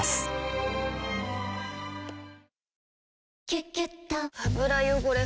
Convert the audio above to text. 「キュキュット」油汚れ